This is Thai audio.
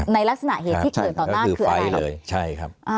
ในลักษณะเหตุที่เกิดตอนหน้าคืออะไร